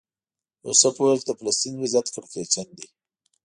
یوسف وویل چې د فلسطین وضعیت کړکېچن دی.